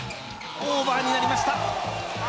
オーバーになりました。